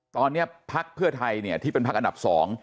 ตอนนี้พรรคภูมิใจไทยเนี่ยที่เป็นพรรคอันดับ๒